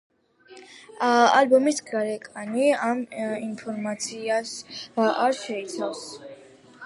ალბომის გარეკანი ამ ინფორმაციას არ შეიცავს.